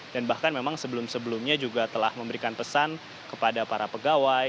dan bahkan memang sebelum sebelumnya juga telah memberikan pesan kepada para pegawai